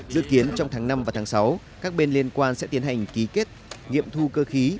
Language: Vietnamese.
dự kiến trong tháng năm và tháng sáu các bên liên quan sẽ tiến hành ký kết nghiệm thu cơ khí